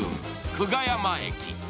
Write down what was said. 久我山駅。